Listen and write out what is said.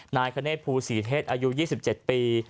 นายคเนธภูศรีเทศอายุ๒๗ปี